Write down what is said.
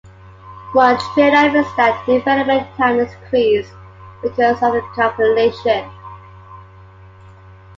One trade-off is that development time is increased, because of the compilation.